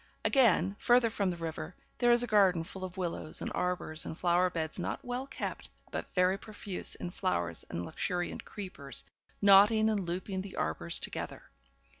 Again, further from the river, there is a garden full of willows, and arbours, and flower beds not well kept, but very profuse in flowers and luxuriant creepers, knotting and looping the arbours together.